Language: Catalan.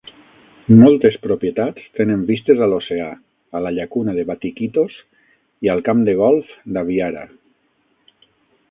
Moltes propietats tenen vistes a l'oceà, a la llacuna de Batiquitos i al camp de golf d'Aviara.